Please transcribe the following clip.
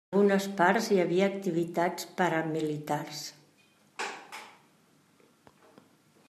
A algunes parts hi havia activitats paramilitars.